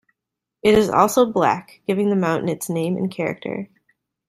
It is also black, giving the mountain its name and character.